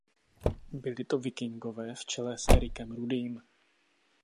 Byli to Vikingové v čele s Erikem Rudým.